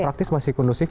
praktis masih kondusif